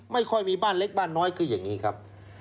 ไม่ค่อยมีบ้านเล็กบ้านน้อยคืออย่างนี้ครับ